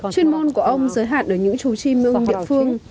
chuyên môn của ông giới hạn ở những chú chim ông địa phương